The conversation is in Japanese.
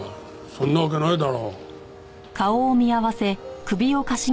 そんなわけないだろ。